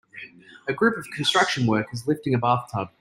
A group of constructions workers lifting a bathtub.